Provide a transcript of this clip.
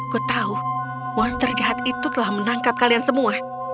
ku tahu monster jahat itu telah menangkap kalian semua